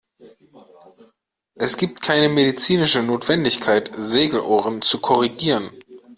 Es gibt keine medizinische Notwendigkeit, Segelohren zu korrigieren.